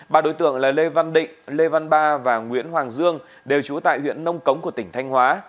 ba đối tượng là lê văn định lê văn ba và nguyễn hoàng dương đều trú tại huyện nông cống của tỉnh thanh hóa